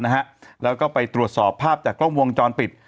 นะฮะแล้วก็ไปตรวจสอบภาพจากกล้องวงจรปิด